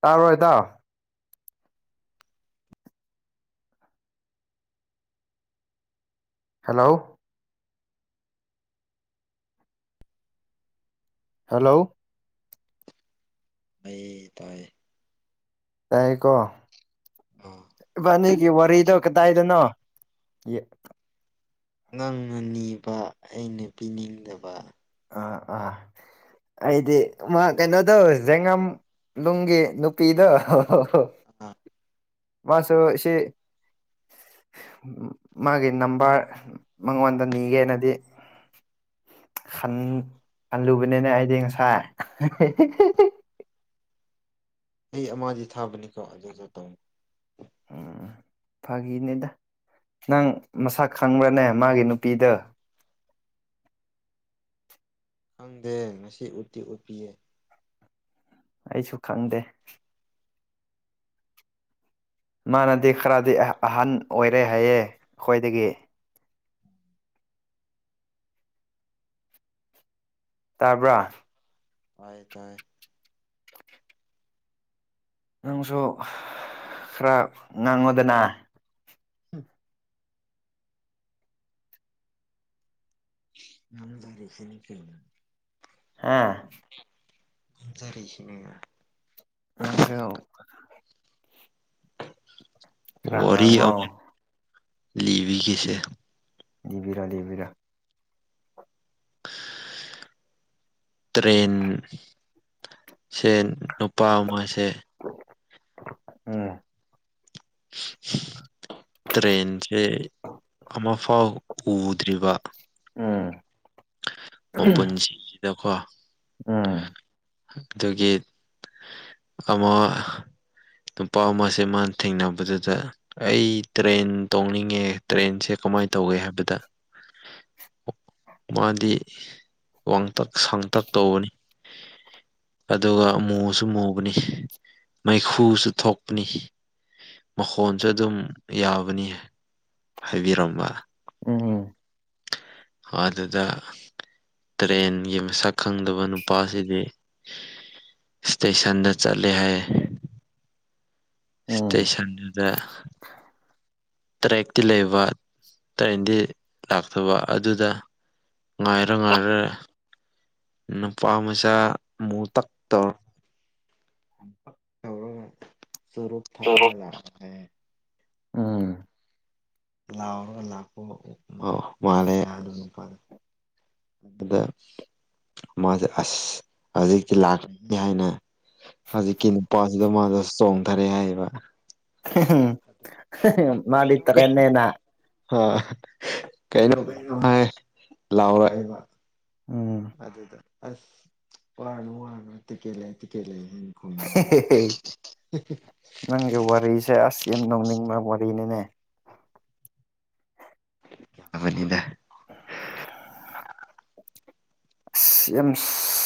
ꯇꯥꯔꯣꯏꯗꯥꯎ hello hello ꯃ ꯇꯥꯏ ꯑꯥ ꯇꯥꯏꯀꯣꯅꯤ ꯋꯥꯔꯤꯗꯣ ꯀꯗꯥꯏꯗꯅꯣ ꯅꯪꯅ ꯅꯤꯕ ꯑꯩꯅ ꯄꯤꯅꯤꯡꯗꯕ ꯑꯥ ꯑꯥ ꯑꯩꯗꯤ ꯃꯥ ꯀꯩꯅꯣꯗꯣ ꯖꯦꯡꯉꯝ ꯅꯨꯡꯒꯤ ꯅꯨꯄꯤꯗꯣ ꯑꯣ ꯑꯥ ꯃꯥꯁꯨ ꯁꯤ ꯃꯥꯒꯤ ꯅꯝꯕꯔ ꯃꯉꯣꯟꯗ ꯅꯤꯒꯦꯅꯗꯤ ꯈꯜꯂꯨꯕꯅꯤꯅꯦ ꯑꯩꯗꯤ ꯉꯁꯥꯏ ꯑꯩ ꯑꯃꯥꯖꯤ ꯊꯥꯕꯅꯤꯀꯣꯖ ꯇꯣꯡ ꯎꯝ ꯐꯥꯒꯤꯅꯦꯗ ꯅꯪ ꯃꯁꯛ ꯈꯪꯕ꯭ꯔꯅꯦ ꯃꯥꯒꯤ ꯅꯨꯄꯤꯗ ꯈꯪꯗꯦ ꯉꯁꯤ ꯎꯠꯇꯤ ꯎꯠꯄꯤꯌꯦ ꯑꯩꯁꯨ ꯈꯪꯗꯦ ꯃꯥꯅꯗꯤ ꯈꯔꯗꯤ ꯑꯍꯟ ꯑꯣꯏꯔꯦ ꯍꯥꯏꯌꯦꯦ ꯑꯩꯈꯣꯏꯗꯒꯤ ꯇꯥꯕ꯭ꯔꯥ ꯍꯥꯏꯥꯏ ꯇꯥꯏ ꯅꯪꯁꯨ ꯈꯔ ꯉꯥꯡꯉꯨꯗꯅ ꯎꯝ ꯅꯗꯔꯁꯦꯅꯤ ꯀ ꯍꯥꯥ ꯖꯔꯁꯤ ꯅꯉꯥ ꯑꯁꯤꯥꯎ ꯑ [unintelligible] ꯇꯥꯉꯥꯉꯣ ꯂꯤꯕꯤꯒꯦꯁꯦ ꯕꯤꯔꯥ ꯂꯩꯕꯤꯔꯥ [inaudible] [unintelligible] ꯇ꯭ꯔꯦꯟ ꯁ ꯅꯨꯄꯥ ꯑꯃꯁꯦ ꯎꯝ ꯇ꯭ꯔꯦꯟꯁꯦ ꯑꯃ ꯐꯥꯎ ꯎꯗ꯭ꯔꯤꯕ ꯎꯝ ꯃꯄꯨꯟꯁꯤꯡꯁꯤꯗꯀꯣ ꯑꯥ ꯑꯗꯨꯒꯤ ꯑꯃ ꯅꯨꯄꯥ ꯑꯃꯁꯦ ꯃꯥꯅ ꯊꯦꯡꯅꯕꯗꯨꯗ ꯑꯩ ꯇ꯭ꯔꯦꯟ ꯇꯣꯡꯅꯤꯡꯉꯦ ꯇ꯭ꯔꯦꯟꯁꯦ ꯀꯃꯥꯏꯅ ꯇꯧꯒꯦ ꯍꯥꯏꯕꯗ [inaudible] ꯃꯥꯗꯤ ꯋꯥꯡꯇꯛ ꯁꯥꯡꯇꯛ ꯇꯧꯕꯅꯤ ꯑꯗꯨꯒ ꯃꯨꯁꯨ ꯃꯨꯕꯅꯤ ꯃꯩꯈꯨꯁꯨ ꯊꯣꯛꯄꯅꯤ ꯃꯈꯣꯟꯁꯨ ꯑꯗꯨꯝ ꯌꯥꯕꯅꯤ ꯍꯥꯏꯕꯤꯔꯝꯕ ꯎꯝ ꯑꯗꯨꯗ ꯇ꯭ꯔꯦꯟ ꯌ ꯈꯪꯗꯕ ꯅꯨꯄꯥꯁꯤꯗꯤ ꯏꯁꯇꯦꯁꯟꯗ ꯆꯠꯂꯦ ꯍꯥꯏꯌꯦ ꯎꯝ ꯏꯁꯇꯦꯁꯟꯗꯨꯗ ꯇꯔꯦꯛꯇꯤ ꯂꯩꯕ ꯇ꯭ꯔꯦꯟꯗꯤ ꯂꯥꯛꯇꯕ ꯑꯗꯨꯗ ꯉꯥꯏꯔꯦ ꯉꯥꯏꯔꯦ ꯅꯨꯄꯥ ꯃꯆꯥ ꯃꯨ ꯇꯛ ꯇꯧꯔ ꯔ ꯁꯔꯨ ꯊꯥꯑꯒ ꯂꯥꯛ ꯎꯝ ꯂꯥꯎꯔ ꯂꯥꯛꯈꯣ ꯃꯥꯂꯦ ꯌꯥ ꯑꯗꯨ ꯅꯨꯄꯥꯔ ꯑꯗ ꯃꯥꯁꯦ ꯑꯁ ꯍꯧꯖꯤꯛꯇꯤ ꯂꯥꯛꯄꯅꯤ ꯍꯥꯏꯅ ꯍꯧꯖꯤꯛꯀꯤ ꯅꯨꯄꯥꯁꯤꯗ ꯃꯥꯗ ꯆꯣꯡꯊꯔꯦ ꯍꯥꯏꯌꯦꯕ ꯝ ꯃꯥ ꯇꯔꯦꯅꯦꯅ ꯍꯥ ꯀꯩꯅꯅ ꯂꯥꯎ ꯎꯝ ꯑꯗ ꯑꯗꯨ ꯑꯁ ꯋꯥꯅꯨ ꯋꯥꯅ ꯇ ꯀꯦ ꯂꯩ ꯇ ꯀꯦꯂ ꯅꯪꯖꯧꯋꯥꯔꯁꯦ ꯑꯁꯤ ꯑꯦꯝ ꯅꯧ ꯅ ꯃꯕ ꯀꯅꯤꯡꯅꯦ ꯀꯕꯅꯤꯗ ꯁ ꯑ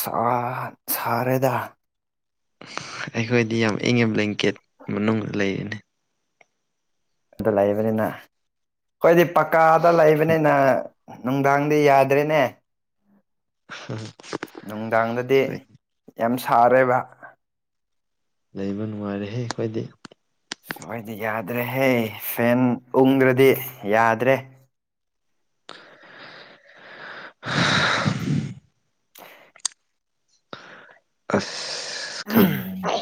ꯁꯥ ꯁꯥꯔꯦꯗꯥ ꯑꯩꯈꯣꯏꯗꯤ ꯌꯥꯝ ꯏꯪꯉꯦ ꯕ꯭ꯂꯦꯡꯀꯦꯠ ꯃꯅꯨꯡꯗ ꯂꯩꯔꯤꯅꯤ ꯑꯗꯨ ꯂꯩꯕꯅꯤꯅ ꯑꯩꯣꯏꯗꯤ ꯄꯀꯥꯗ ꯂꯩꯕꯅꯤꯅ ꯅꯨꯡꯗꯥꯡꯗꯤ ꯌꯥꯗ꯭ꯔꯦꯅꯦ ꯍ ꯅꯨꯡꯗꯥꯡꯗꯗꯤ ꯌꯥꯝ ꯁꯥꯔꯦꯕ ꯂꯩꯕ ꯅꯨꯡꯉꯥꯏꯔꯦꯍꯦ ꯑꯩꯈꯣꯏꯗꯤ ꯁꯋꯥꯗꯤ ꯌꯥꯗ꯭ꯔꯦꯍꯦ ꯐꯦꯟ ꯎꯪꯗ꯭ꯔꯗꯤ ꯌꯥꯗ꯭ꯔꯦ [inaudible] [inaudible] [inaudible] ꯑꯁ ꯎ ꯈꯪꯗꯦꯅꯦ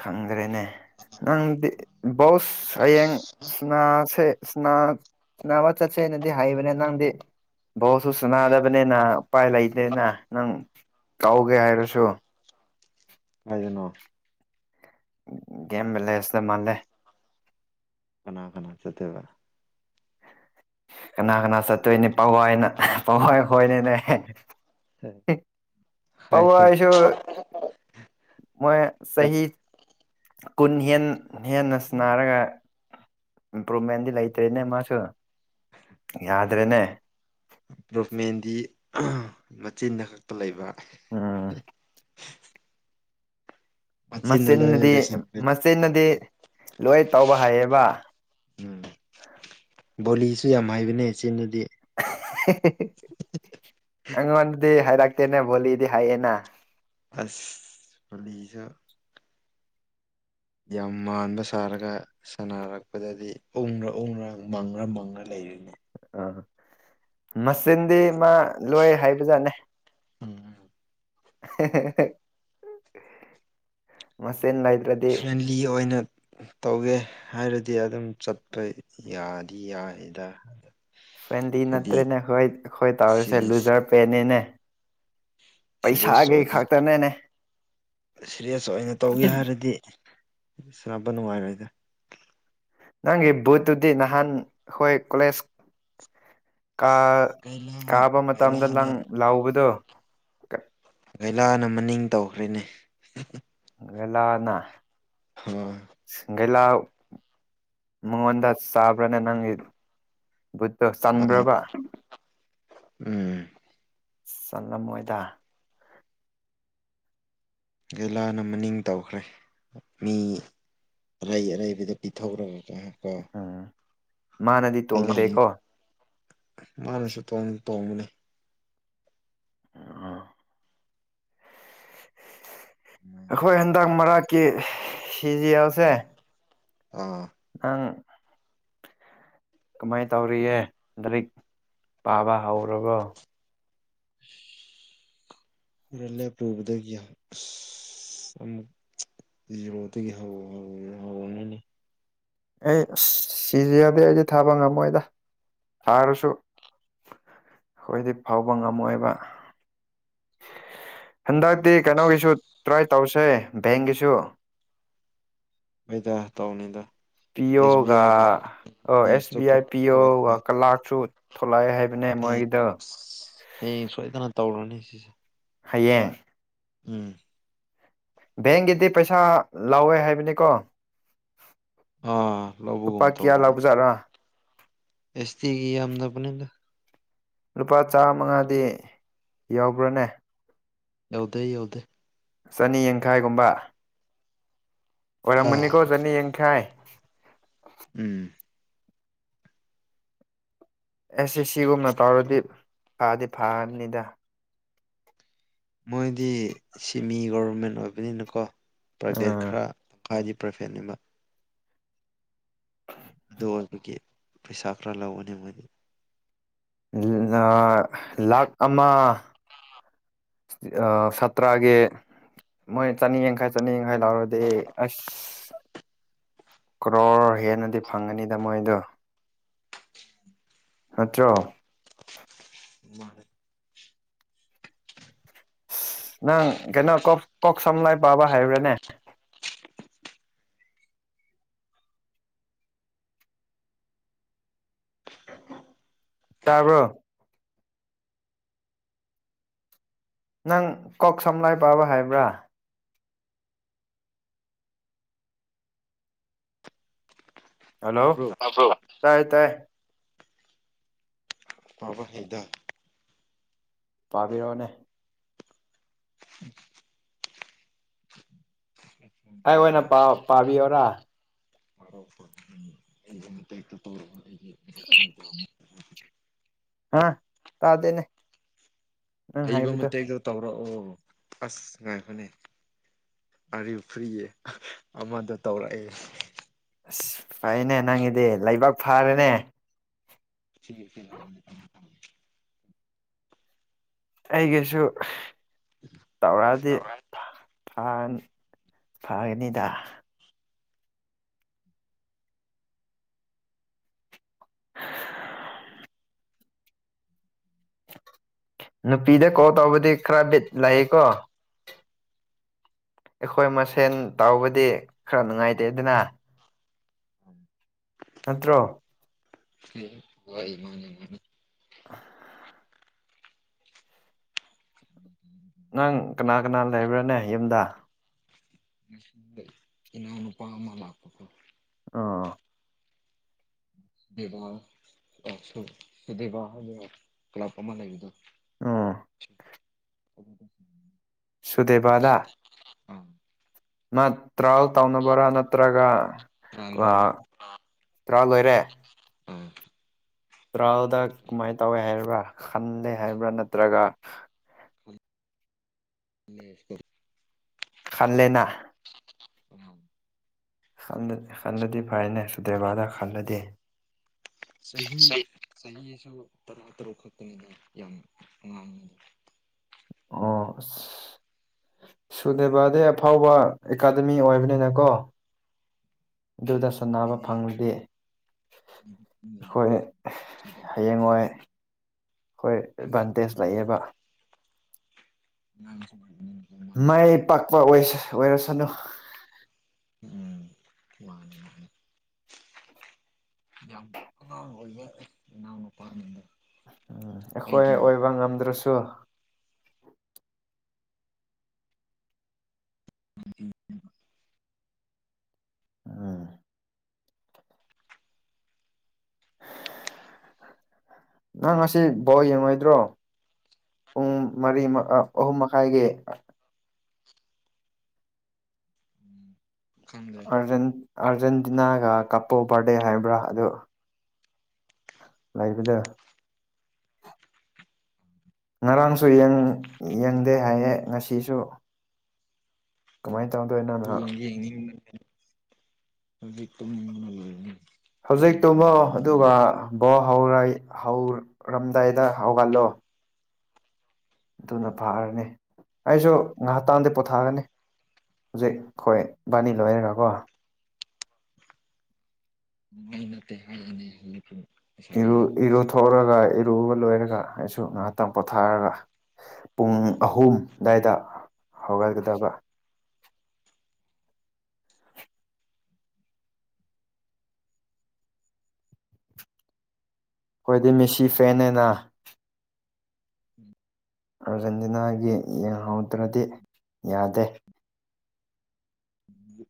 ꯈꯪꯗ꯭ꯔꯦꯅꯦ ꯅꯪꯗꯤ ꯕꯣꯁ ꯍꯌꯦꯡ ꯁꯤꯅꯥꯁꯦ ꯃ ꯆꯠꯁꯦꯅꯗꯤ ꯍꯥꯏꯩꯕꯅꯦ ꯅꯪꯗꯤ ꯕꯣꯁꯨ ꯁꯨꯅꯥꯗꯕꯅꯤꯅ ꯎꯄꯥꯏ ꯂꯩꯇꯦꯅ ꯅꯪ ꯀꯥꯎꯒꯦ ꯍꯥꯏꯔꯁꯨ ꯀꯥꯏꯗꯅꯣ ꯒꯦꯝ ꯕꯂꯦ ꯁꯦ ꯃꯥꯥꯟꯂꯦ ꯀꯅꯥ ꯀꯅꯥ ꯆꯇꯕ ꯀꯅꯥ ꯀꯅꯥ ꯆꯠꯇꯣꯏꯅꯤ ꯄꯋꯥꯏꯅ ꯄꯋꯥꯏ ꯈꯣꯏꯅꯤꯅꯦ ꯄꯥꯎ ꯍꯥꯏꯁꯦ ꯍꯥꯏꯁꯣ ꯃ ꯁꯍꯤ ꯀꯨꯟ ꯍꯦꯟ ꯍꯦꯟꯅꯟꯅꯔꯒ ꯏꯝꯄ꯭ꯔꯨꯚꯃꯦꯟꯗꯤ ꯂꯩꯇ꯭ꯔꯦꯅꯦ ꯃꯥꯁꯨ ꯌꯥꯗ꯭ꯔꯦꯅꯦ ꯒꯣꯚꯃꯦꯟꯗꯤ ꯃꯆꯤꯟꯗ ꯈꯛꯇ ꯂꯩꯕ ꯎꯝ ꯃꯆꯤꯟꯅ ꯂꯣꯏꯅ ꯃꯆꯤꯟꯅꯗꯤ ꯂꯣꯏꯁꯤꯟꯈ꯭ꯔꯦ ꯃꯆꯤꯟꯅꯗꯤ ꯂꯣꯏ ꯇꯧꯕ ꯍꯥꯏꯌꯦꯕ ꯎꯝ ꯕꯣꯂꯤꯁꯨ ꯌꯥꯝ ꯍꯥꯏꯕꯅꯦ ꯏꯆꯦꯅꯗꯤ ꯍ [inaudible] ꯑꯩꯉꯣꯟꯗꯗꯤ ꯍꯥꯏꯔꯛꯇꯇꯦꯅꯦ ꯚꯣꯂꯤꯗꯤ ꯍꯥꯏꯌꯦꯅ ꯐꯂꯤꯖ ꯌꯥꯝ ꯃꯥꯟꯕ ꯁꯥꯔꯒ ꯁꯥꯟꯅꯔꯛꯄꯗꯗꯤ ꯎꯪꯔ ꯎꯪꯔ ꯃꯪꯉ꯭ꯔ ꯃꯪꯉ ꯂꯩꯔꯤꯅꯤ ꯃꯆꯤꯟꯗꯤ ꯃꯥ ꯂꯣꯏ ꯍꯥꯏꯕꯖꯥꯠꯅꯦ ꯎꯝ ꯃꯁꯟ ꯂ ꯐ꯭ꯔꯦꯟꯂꯤ ꯑꯣꯏꯅ ꯇꯧꯋꯦ ꯍꯥꯏꯔꯗꯤ ꯑꯗꯨꯝ ꯆꯠꯄ ꯌꯥꯗꯤ ꯌꯥꯏꯗ ꯐ꯭ꯔꯦꯟꯂꯤ ꯍꯥꯏꯗꯤ ꯅꯠꯇ꯭ꯔꯦꯅꯦ ꯍꯣꯏ ꯑꯩꯈꯣꯏ ꯇꯧꯔꯤꯁꯦ ꯁꯤꯔꯤꯌꯁ ꯂꯨꯖꯔ ꯄꯦꯅꯦꯅꯦ ꯁꯦꯔꯤꯌꯁ ꯑꯣꯏꯅ ꯈꯛꯇꯅꯦꯅꯦ ꯁꯦꯔꯤꯌꯁ ꯑꯣꯏꯅ ꯇꯧꯒꯦ ꯍꯥꯏꯔꯗꯤ ꯁꯕ ꯅꯨꯡꯉꯥꯏꯔ ꯏꯗ ꯅꯪꯒꯤ ꯕꯨꯠꯇꯨꯗꯤ ꯅꯍꯥꯟ ꯑꯩꯈꯣꯏ ꯀꯣꯂꯦꯖ ꯀꯥ ꯑꯁ ꯒꯩꯂꯥ ꯀꯥꯕ ꯃꯇꯝꯗ ꯅꯪ ꯒꯩꯂꯥꯅ ꯂꯥꯎꯕꯗꯣ ꯒꯩꯂꯥꯅ ꯃꯅꯤꯡ ꯇꯧꯈ꯭ꯔꯦꯅꯦ ꯂꯅ ꯍ ꯒꯦꯂꯥ ꯃꯉꯣꯟꯗ ꯆꯥꯕ꯭ꯔꯅ ꯅꯪꯒꯤ ꯕꯨꯠꯇꯣ ꯑꯥ ꯆꯟꯕ꯭ꯔꯕ ꯎꯝ ꯆꯪꯂꯝꯃꯣꯏꯗ ꯂꯥꯅ ꯃꯅꯤꯡ ꯇꯧꯈ꯭ꯔꯦ ꯃꯤ ꯑꯔꯩ ꯑꯔꯩꯕꯗ ꯄꯤꯊꯧꯔꯒꯒ ꯀꯣ ꯎꯝ ꯃꯥꯅꯗꯤ ꯑꯩ ꯂꯩꯔꯤ ꯇꯣꯡꯣꯡꯗꯦꯀꯣ ꯃꯥꯅꯁꯨ ꯇ ꯇꯣꯡꯕꯅꯤ ꯎꯝ ꯑꯗꯨꯃꯥꯏꯅ ꯑꯩꯈꯣꯏ ꯇꯧꯔꯒ ꯍꯟꯗꯛ ꯂꯩ ꯃꯔꯛꯀꯤ ꯁꯤꯖꯤꯦꯜꯁꯦ ꯑ ꯎꯝ ꯀꯃꯥꯏꯅ ꯇꯧꯔꯤꯑ ꯂꯟ ꯂꯔꯤꯛ ꯄꯥꯕ ꯍꯧꯔꯕꯣ [inaudible] ꯔꯂ ꯄ꯭ꯔꯣꯕꯗꯒꯌꯥ ꯔꯇꯒꯤ ꯍꯥꯎ ꯍ ꯍꯥꯎꯅꯅꯤ ꯑꯩ ꯑꯁ ꯁꯤꯁ ꯌꯥꯗꯤꯦ ꯑꯩꯗꯤꯦ ꯊꯥꯕ ꯉꯝꯃꯣꯏꯗ ꯊꯥꯔꯁꯨ ꯑꯩꯈꯣꯏꯗꯤ ꯐꯥꯎꯕ ꯉꯝꯃꯣꯏꯕ ꯍꯟꯗꯛꯇꯤ ꯀꯩꯅꯣꯒꯤꯁꯨ ꯇ꯭ꯔꯥꯏ ꯇꯧꯁꯦ ꯕꯦꯡꯒꯤꯁꯨ ꯍꯩ ꯇ ꯇꯥꯎꯅꯤꯗ ꯄꯤꯌꯣꯒ ꯑꯣ ꯄꯤ ꯑꯦꯁ ꯑꯦꯁꯇꯣ ꯕꯤ ꯑꯥꯏ ꯊꯣꯛꯑꯦ ꯍꯥꯏ ꯄꯤꯌꯣꯒ ꯀꯂꯥꯔꯁꯨ ꯊꯣꯛꯂꯛꯑꯦ ꯍꯥꯏꯕ ꯍꯌꯦꯡ ꯑꯁ ꯍꯌꯦꯡ ꯁꯣꯏꯗꯅ ꯇꯧꯔꯨꯅꯤ ꯁꯤꯁꯦ ꯍꯌꯦꯡ ꯎꯝ ꯕꯦꯡꯒꯤꯗꯤ ꯄꯩꯁꯥ ꯂꯥꯎꯋꯦ ꯍꯥꯏꯕꯅꯤꯀꯣ ꯑꯥ ꯂꯨꯄꯥ ꯀꯌꯥ ꯂꯥꯎꯕꯖꯥꯠꯔꯥ ꯑꯦꯁꯇꯤꯒꯤ ꯌꯥꯝꯗ ꯄꯨꯅꯤꯗ ꯂꯨꯄꯥ ꯆꯥꯃꯉꯥꯗꯤ ꯌꯥꯎꯕ꯭ꯔꯥꯅꯦ ꯌꯥꯗ ꯑꯣꯗꯦ ꯆꯅꯤ ꯌꯥꯡꯈꯥꯏꯒꯨꯝꯕ ꯑꯥ ꯑꯣꯏꯔꯝꯃꯅꯤꯀꯣ ꯆꯅꯤ ꯌꯥꯡꯈꯥꯏ ꯎꯝ ꯑꯦꯁ ꯑꯦ ꯁꯤꯒꯨꯝꯅ ꯇꯥꯎꯔꯗꯤ ꯐꯗꯤ ꯐꯅꯤꯗ ꯃꯣꯏꯗꯤ ꯁꯤꯃꯤ ꯒꯣꯕꯔꯃꯦꯟ ꯑꯣꯏꯕꯅꯤꯅꯀꯣ ꯄ꯭ꯔꯥꯏꯚꯦꯠ ꯈꯔ ꯈꯗꯤ ꯄ꯭ꯔꯐꯦꯟꯕ ꯑꯗꯨ ꯑꯣꯏꯕꯒꯤ ꯄꯩꯁꯥ ꯈꯔ ꯂꯧꯔꯅꯤ ꯃꯣꯏꯗꯤ ꯂꯥꯈ ꯑꯃ ꯁꯥꯇ꯭ꯔꯒꯤ ꯃꯣꯏ ꯆꯥꯅꯤꯡ ꯌꯥꯡꯈꯥꯏ ꯆꯥꯅꯤꯡꯉ ꯂꯔꯣꯗꯤ ꯑꯁ ꯀ꯭ꯔꯣꯔ ꯍꯦꯟꯅꯗꯤ ꯐꯪꯒꯅꯤꯗ ꯃꯣꯏꯗꯣ ꯅꯠꯇ꯭ꯔꯣ ꯃꯥꯅꯦ ꯑ ꯅꯪ ꯀꯩꯅꯣ ꯀꯣꯛ ꯁꯝ ꯂꯥꯏ ꯄꯥꯕ ꯍꯥꯏꯕ꯭ꯔꯥꯅꯦ ꯇꯥꯕ꯭ꯔꯣ ꯅꯪ ꯀꯣꯛ ꯁꯝ ꯂꯥꯏ ꯄꯥꯕ ꯍꯥꯏꯕ꯭ꯔꯥ ꯍꯜꯂꯣ ꯇꯥꯕ꯭ꯔꯣ ꯇꯥꯏ ꯇꯥꯏ ꯄꯕꯥ ꯍꯩꯇꯦ ꯄꯥꯕꯤꯔꯛꯑꯣꯅꯦ ꯎꯝ ꯑꯩ ꯑꯣꯏꯅ ꯄꯥꯕꯤꯌꯣꯔꯥ [unintelligible] ꯍꯥ ꯇꯥꯗꯦꯅꯦ ꯅꯪ ꯍꯩꯕ ꯍꯥꯏꯕꯗꯣ ꯃꯇꯦꯛꯇ ꯇꯧꯔꯛꯑꯣ ꯑꯁ ꯉꯥꯏ ꯐꯅꯤ ꯑꯔꯤꯕ ꯐꯨꯔꯤꯌꯦ ꯑꯃꯗꯣ ꯇꯧꯔꯛꯑꯦ ꯑꯁ ꯐꯩꯅꯦ ꯅꯪꯒꯤꯗꯤ ꯂꯩꯕꯥꯛ ꯐꯥꯔꯦꯅꯦ ꯁꯤ ꯑꯩꯒꯤꯁꯨ ꯇꯧꯔꯛꯑꯗꯤ ꯑꯥꯟ ꯐꯥꯒꯅꯤꯗ ꯅꯨꯄꯤꯗ ꯀꯣꯜ ꯇꯧꯕꯗꯤ ꯈꯔ ꯕꯤꯠ ꯂꯥꯛꯏꯀꯣ ꯑꯩꯈꯣꯏ ꯃꯁꯦꯟ ꯇꯥꯎꯕꯗꯤ ꯈꯔ ꯅꯨꯡꯉꯥꯏꯇꯦ ꯑꯗꯨꯅ ꯅꯠꯇ꯭ꯔꯣ ꯋꯥꯏ ꯃꯥꯅꯤ ꯃꯥꯅꯤ ꯅꯪ ꯀꯅꯥ ꯀꯅꯥ ꯂꯩꯕ꯭ꯔꯥꯅꯦ ꯌꯨꯝꯗ ꯏꯅꯥꯎꯅꯨꯄꯥ ꯑꯃ ꯂꯥꯛꯄꯗꯣ ꯑꯣ [unintelligible] ꯗꯦꯕꯥꯕꯥ ꯍꯥꯏꯕ ꯀ꯭ꯂꯕ ꯑꯃ ꯂꯩꯕꯗꯣ ꯎꯝ [inaudible] ꯁꯨꯗꯦꯕꯗ ꯑꯥ ꯃꯥ ꯇ꯭ꯔꯥꯜ ꯇꯧꯅꯕꯔꯥ ꯅꯠꯇ꯭ꯔꯒ ꯇꯔꯥ ꯂꯣꯏꯔꯦ ꯇꯔꯥ ꯂꯣꯏꯔꯦ ꯑꯥ ꯇ꯭ꯔꯥꯜꯗ ꯀꯃꯥꯏꯅ ꯇꯧꯋꯦ ꯍꯥꯏꯕ꯭ꯔꯥ ꯈꯟꯂꯦ ꯍꯥꯏꯕ꯭ꯔꯥ ꯅꯠꯇ꯭ꯔꯒ [inaudible] ꯈꯟꯂꯦꯅ [inaudible] ꯈꯜꯂꯗꯤ ꯐꯥꯏꯅꯦ ꯁꯨꯗ꯭ꯔꯦꯕꯥꯗ ꯈꯜꯂꯗꯤ ꯆꯍꯤ ꯆꯍꯤ ꯇꯔꯥ ꯇꯔꯨꯛ ꯈꯛꯇꯅꯤꯅ ꯌꯥꯝ ꯋꯥꯥꯡ ꯑꯣ ꯑꯁ ꯁꯨꯗꯦꯕꯥꯗꯦ ꯑꯐꯥꯎꯕ ꯑꯦꯀꯥꯗꯃꯤ ꯑꯣꯏꯕꯅꯤꯅ ꯀꯣ ꯑꯗꯨꯗ ꯁꯥꯟꯅꯕ ꯐꯪꯂꯗꯦ ꯑꯩꯈꯣꯏ ꯑꯩꯗꯤ ꯍꯌꯦꯡꯋꯥꯣꯏ ꯑꯩꯈꯣꯏ ꯑꯦꯗꯚꯥꯟꯇꯦꯖ ꯂꯩꯌꯦꯕ ꯅ ꯃꯥꯏ ꯄꯥꯛꯄ ꯑꯣꯏꯔꯁꯅꯨ ꯎꯝ ꯃꯥꯅꯤ ꯌꯥꯝ ꯏꯎꯅ ꯄꯔ ꯎꯝ ꯑꯩꯈꯣꯏ ꯑꯣꯏꯕ ꯉꯝꯗ꯭ꯔꯁꯨ ꯑꯗꯨ ꯎꯝ ꯅꯪ ꯉꯁꯤ ꯕꯣ ꯌꯦꯡꯂꯡꯉꯣꯏꯗ꯭ꯔꯣ ꯄꯨꯡ ꯃꯔꯤ ꯑꯍꯨꯝ ꯃꯈꯥꯏꯒꯤ ꯈꯪꯗ꯭ꯔꯦ ꯑꯥꯔꯖꯦꯟꯇꯤꯅꯥꯒ ꯀꯄꯣ ꯕꯥꯔꯗꯦ ꯍꯥꯏꯕ꯭ꯔꯥ ꯑꯗꯨ ꯂꯩꯥꯏꯕꯗ ꯉꯔꯥꯡꯁꯨ ꯌꯦꯡꯗꯦ ꯍꯥꯏꯌꯦꯦ ꯉꯁꯤꯁꯨ ꯀꯃꯥꯏꯅ ꯇꯧꯗꯣꯏ ꯏꯅꯥ ꯅꯍꯥꯛ ꯌꯦꯡꯗꯤ ꯌꯦꯡꯅꯤꯡꯕꯅꯦ ꯍꯧꯖꯤꯛ ꯇꯨꯝꯅꯤꯡꯕꯅ ꯂꯣꯏꯔꯅꯤ ꯍꯧꯖꯤꯛꯇꯨꯃ ꯑꯥꯔꯖꯦꯟꯇꯤꯅꯥꯒꯤ ꯑꯗꯨꯒ ꯌꯦꯡꯅꯤꯡꯉꯥꯏ ꯕꯣ ꯍꯧ ꯍꯧꯔꯝꯗꯥꯏꯗ ꯍꯧꯒꯠꯂꯣ ꯑꯗꯨꯅ ꯐꯥꯔꯅꯤ ꯑꯩꯁꯨ ꯉꯥꯏꯍꯥꯛꯇꯥꯟꯗꯤ ꯄꯣꯊꯥꯒꯅꯤ ꯍꯧꯖꯤꯛ ꯑꯩꯈꯣꯏꯕꯥꯅꯤ ꯂꯣꯏꯔꯒꯀꯣ ꯅꯠꯇꯦ ꯍꯥꯏꯔꯅꯤ ꯍꯧꯖꯤꯛ ꯨ ꯂꯩꯁꯥꯕꯤꯗ ꯏꯔꯨꯊꯣꯛꯔꯒ ꯏꯔꯨꯕ ꯂꯣꯏꯔꯒ ꯑꯩꯁꯨ ꯉꯥꯏꯍꯥꯛꯇꯪ ꯄꯣꯊꯥꯔꯒ ꯄꯨꯡ ꯑꯍꯨꯝ ꯑꯗꯨꯋꯥꯏꯗ ꯍꯧꯒꯠꯀꯗꯕ ꯑꯩꯈꯣꯏꯗꯤ ꯃꯤꯦꯁꯤ ꯐꯦꯦꯅ ꯑꯥꯔꯖꯦꯟꯇꯤꯅꯥꯒꯤ ꯌꯦꯡꯍꯧꯗ꯭ꯔꯗꯤ ꯌꯥꯗꯦ ꯎꯝ